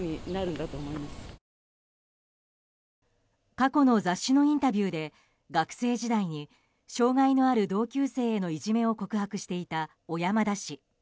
過去の雑誌のインタビューで学生時代に障害のある同級生へのいじめを告白していた小山田氏。